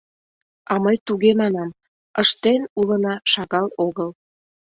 — А мый туге манам: ыштен улына шагал огыл.